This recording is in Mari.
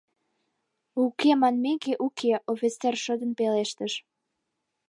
— Уке манмеке, уке, — офицер шыдын пелештыш.